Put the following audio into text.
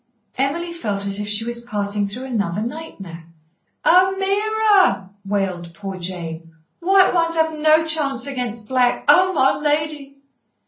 Emily felt as if she was passing through another nightmare. "Ameerah," wailed poor Jane. "White ones have no chance against black. Oh, my lady!"